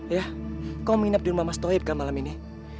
kau mau nginep di rumah mas toib kan malam ini